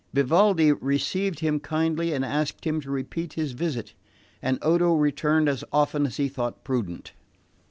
Vivaldi received him kindly and asked him to repeat his visit; and Odo returned as often as he thought prudent.